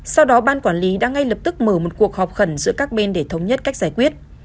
sau đó ban quản lý đã ngay lập tức mở một cuộc họp khẩn giữa các bên để thống nhất cách giải quyết